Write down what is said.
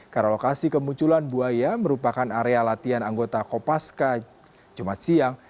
karena lokasi kemunculan buaya merupakan area latihan anggota kopaska jumat siang